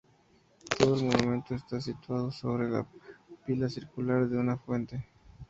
Todo el monumento está situado sobre la pila circular de una fuente.